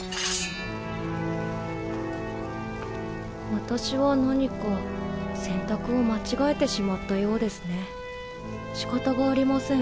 私は何か選択を間違えてしまったよう仕方がありません